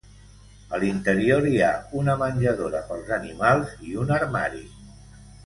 A l'interior hi ha una menjadora pels animals i un armari.